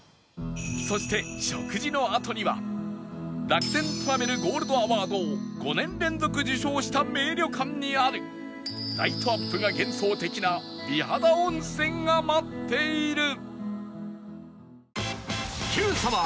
そして食事のあとには楽天トラベルゴールドアワードを５年連続受賞した名旅館にあるライトアップが幻想的な美肌温泉が待っている